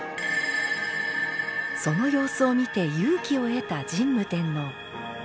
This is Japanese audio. その様子を見て勇気を得た神武天皇。